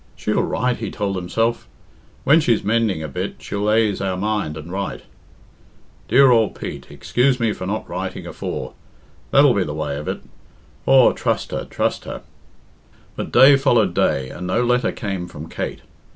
"She'll write," he told himself. "When she's mending a bit she'll aise our mind and write. 'Dear ould Pete, excuse me for not writing afore' that'll he the way of it. Aw, trust her, trust her." But day followed day, and no letter came from Kate.